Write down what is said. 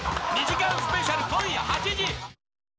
２時間スペシャル、今夜８時。